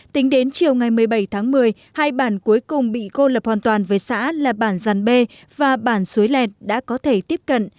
tính đến chiều ngày một mươi bảy tháng một mươi hai bản cuối cùng bị cô lập hoàn toàn với xã là bản giàn bê và bản suối lẹt đã có thể tiếp cận